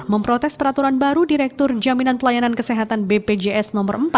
memprotes peraturan baru direktur jaminan pelayanan kesehatan bpjs no empat